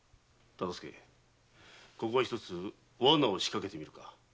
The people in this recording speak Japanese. ここは一つワナを仕掛けてみるか。